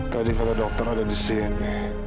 tadi kata dokter ada di sini